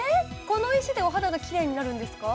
この石でお肌がキレイになるんですか？